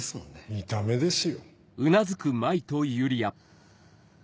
見た目ですよ。